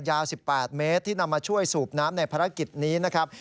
ยาว๑๘เมตรที่นำมาช่วยสูบน้ำในภารกิจนี้นะครับ